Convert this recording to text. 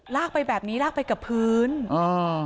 ลากไปแบบนี้ลากไปกับพื้นอ่า